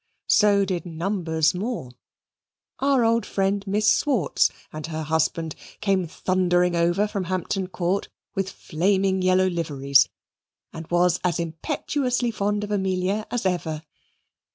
So did numbers more. Our old friend, Miss Swartz, and her husband came thundering over from Hampton Court, with flaming yellow liveries, and was as impetuously fond of Amelia as ever.